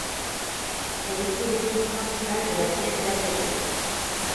Elle était l'église principale de la piève d'Apieto.